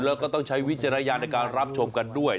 แล้วก็ต้องใช้วิจารณญาณในการรับชมกันด้วย